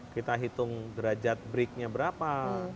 kita hitung derajat breaknya berapa